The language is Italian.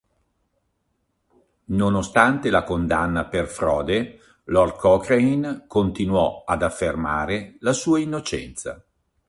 Nonostante la condanna per frode, Lord Cochrane continuò ad affermare la sua innocenza.